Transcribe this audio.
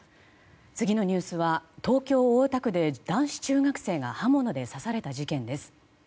次のニュースは東京・大田区で男子中学生が刃物で刺された事件です。